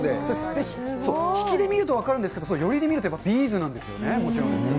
引きで見ると分かるんですけど、寄りで見るとやっぱりビーズなんですよね、もちろんですけど。